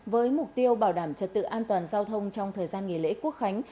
với mục tiêu bảo đảm trật tự an toàn giao thông trong thời gian nghỉ lễ quốc khánh